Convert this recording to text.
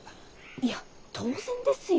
いや当然ですよ。